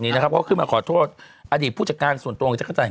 นะครับเขาขึ้นมาขอโทษอดีตผู้จัดการส่วนตัวของจักรจันท